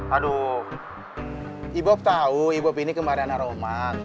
aduh ibob tau ibob ini kembariana roman